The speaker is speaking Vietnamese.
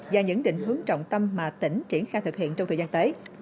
và những định hướng trọng tâm mà tỉnh triển khai thực hiện trong thời gian tới